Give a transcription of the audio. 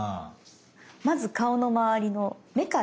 まず顔のまわりの目から。